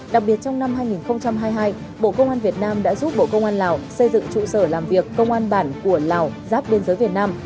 đặc biệt trong năm hai nghìn hai mươi hai bộ công an việt nam đã giúp bộ công an lào xây dựng trụ sở làm việc công an bản của lào giáp biên giới việt nam